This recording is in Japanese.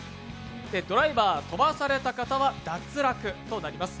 ドライバー、飛ばされた方は脱落となります。